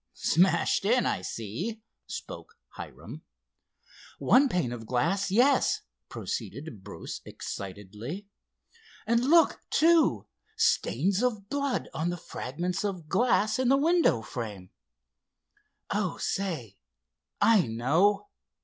"Smashed in—I see," spoke Hiram. "One pane of glass, yes," proceeded Bruce excitedly. "And look, too, stains of blood on the fragments of glass and the window frame. Oh, say, I know!